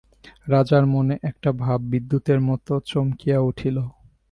রাজার মনে একটা ভাব বিদ্যুতের মতো চমকিয়া উঠিল।